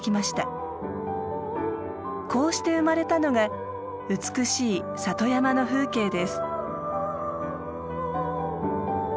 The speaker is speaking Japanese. こうして生まれたのが美しい里山の風景です。